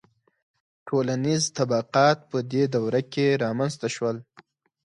• ټولنیز طبقات په دې دوره کې رامنځته شول.